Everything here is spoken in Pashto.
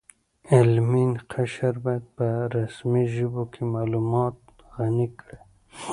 علمي قشر باید په رسمي ژبو کې معلومات غني کړي